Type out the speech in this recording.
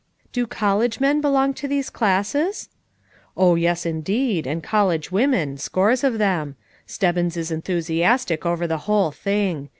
"Do college men belong to these classes?" "Oh, yes, indeed, and college women, scores of them. Stebbins is enthusiastic over the whole thing.